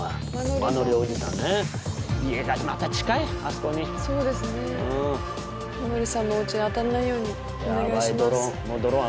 マノリさんのおうちに当たんないようにお願いします。